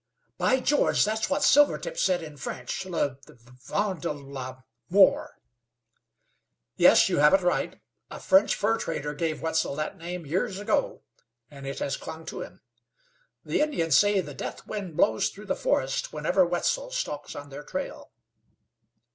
"By George! That's what Silvertip said in French 'Le Vent de la Mort.'" "Yes; you have it right. A French fur trader gave Wetzel that name years ago, and it has clung to him. The Indians say the Deathwind blows through the forest whenever Wetzel stalks on their trail."